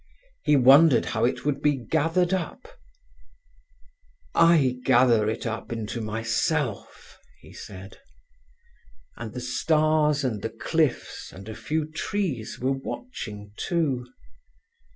He wondered how it would be gathered up. "I gather it up into myself," he said. And the stars and the cliffs and a few trees were watching, too.